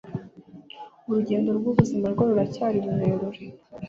Urugendo rw’ubuzima rwo ruracyari rurerure